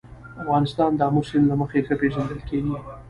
افغانستان د آمو سیند له مخې ښه پېژندل کېږي.